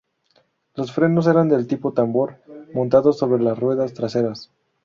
Los frenos eran de tipo tambor montados sobre las ruedas traseras.